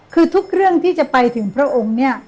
คือทุกเรื่องที่จะไปถึงพระองค์เนี่ย